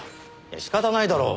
仕方ないだろう。